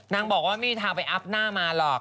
นางบอกว่าไม่มีทางไปอัพหน้ามาหรอก